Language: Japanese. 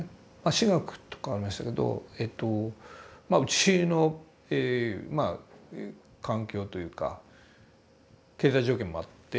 私学とかありましたけどえとうちの環境というか経済状況もあって